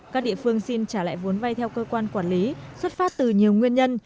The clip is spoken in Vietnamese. các địa phương xin trả lại vốn vay theo cơ quan quản lý xuất phát từ nhiều nguyên nhân